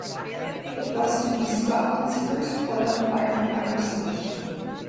It was to be Scotland's first oil-fired power station.